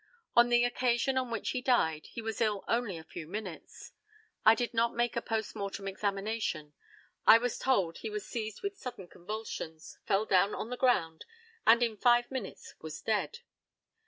On the occasion on which he died he was ill only a few minutes. I did not make a post mortem examination. I was told he was seized with sudden convulsions, fell down on the ground, and in five minutes was dead.